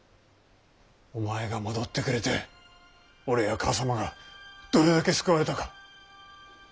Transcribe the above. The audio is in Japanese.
お前が戻ってくれて俺や母さまがどれだけ救われたか。